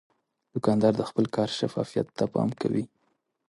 دوکاندار د خپل کار شفافیت ته پام کوي.